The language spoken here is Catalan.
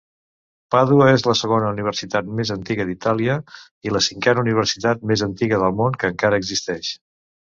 Pàdua és la segona universitat més antiga d'Itàlia i la cinquena universitat més antiga del món que encara existeix.